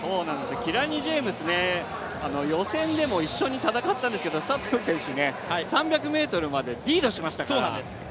キラニ・ジェームス、予選でも一緒に戦ったんですけど佐藤選手、３００ｍまでリードしましたから。